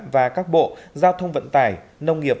và các bộ giao thông vận tải nông nghiệp